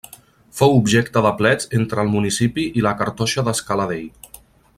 Fou objecte de plets entre el municipi i la Cartoixa d'Escala Dei.